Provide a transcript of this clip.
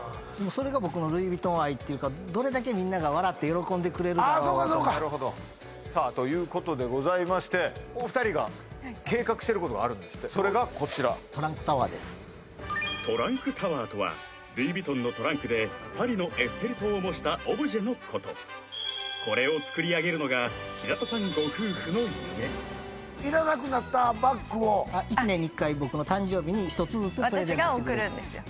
それが僕のルイ・ヴィトン愛っていうかどれだけみんなが笑って喜んでくれるだろうとああそうかそうかさあということでございましてお二人が計画してることがあるんですってそれがこちらトランクタワーとはルイ・ヴィトンのトランクでパリのエッフェル塔を模したオブジェのことこれを作り上げるのが平田さんご夫婦の夢いらなくなったバッグを１年に１回僕の誕生日に１つずつくれるんです私が贈るんですよ